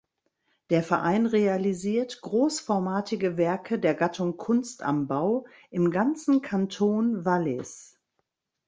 Der Verein realisiert grossformatige Werke der Gattung Kunst am Bau im ganzen Kanton Wallis.